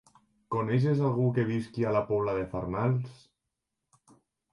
Coneixes algú que visqui a la Pobla de Farnals?